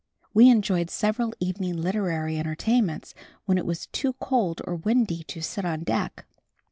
We enjoyed several evening literary entertainments, when it was too cold or windy to sit on deck.